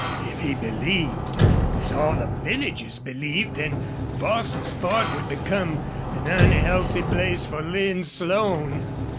If he believed, as all the villagers believed, then Bostil's Ford would become an unhealthy place for Lin Slone.